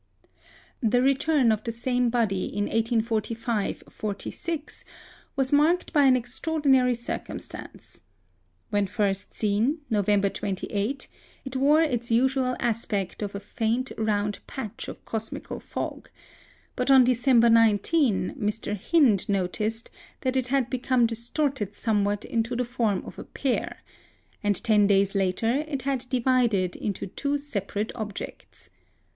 The return of the same body in 1845 46 was marked by an extraordinary circumstance. When first seen, November 28, it wore its usual aspect of a faint round patch of cosmical fog; but on December 19, Mr. Hind noticed that it had become distorted somewhat into the form of a pear; and ten days later, it had divided into two separate objects.